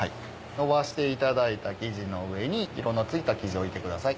のばしていただいた生地の上に色の付いた生地置いてください。